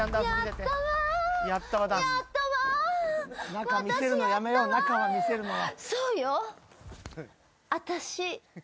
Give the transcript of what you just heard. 中見せるのやめよう中見せるのは。